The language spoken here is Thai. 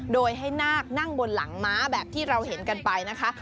โดยให้นาคนั่งบนหลังม้าแบบที่เราเห็นกันไปนะคะ